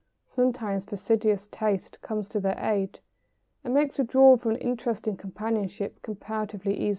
Sometimes fastidious taste comes to their aid and makes withdrawal from an interesting companionship comparatively easy.